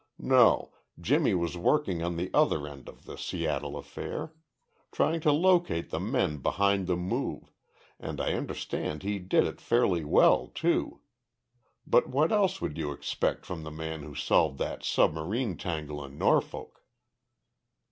No, Jimmy was working on the other end of the Seattle affair. Trying to locate the men behind the move and I understand he did it fairly well, too. But what else would you expect from the man who solved that submarine tangle in Norfolk?"